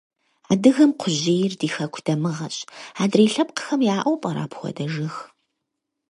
Адыгэм кхъужьейр ди хэку дамыгъэщ, адрей лъэпкъхэм яӀэу пӀэрэ апхуэдэ жыг?